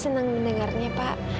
senang mendengarnya pak